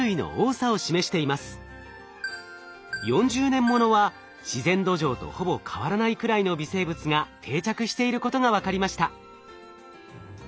４０年ものは自然土壌とほぼ変わらないくらいの微生物が定着していることが分かりました。